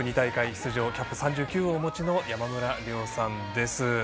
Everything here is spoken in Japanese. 出場キャップ３９をお持ちの山村亮さんです。